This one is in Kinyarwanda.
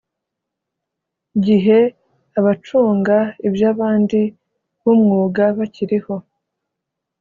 Gihe abacunga iby abandi b umwuga bakiriho